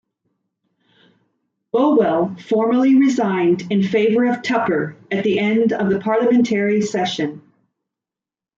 Bowell formally resigned in favour of Tupper at the end of the parliamentary session.